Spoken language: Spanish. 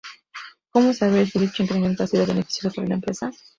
Como saber si dicho incremento ha sido beneficioso para la empresa?